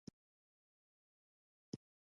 د ادارو ترمنځ نه همغږي ستونزه ده.